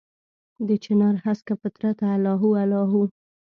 دچنارهسکه فطرته الله هو، الله هو